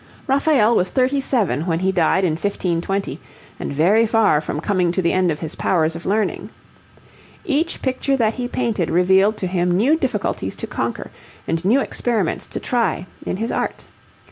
Raphael was thirty seven when he died in 1520, and very far from coming to the end of his powers of learning. Each picture that he painted revealed to him new difficulties to conquer, and new experiments to try, in his art.